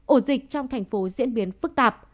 ổ dịch trong thành phố diễn biến phức tạp